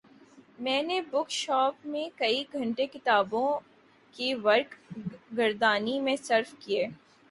میں نے book shop میں کئی گھنٹے کتابوں کی ورق گردانی میں صرف کئے